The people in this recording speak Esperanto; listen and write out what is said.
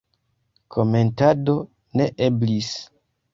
Komentado ne eblis.